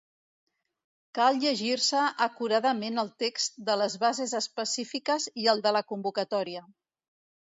Cal llegir-se acuradament el text de les bases específiques i el de la convocatòria.